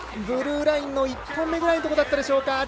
ブルーラインの１本目ぐらいのところだったか。